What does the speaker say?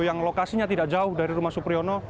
yang lokasinya tidak jauh dari rumah supriyono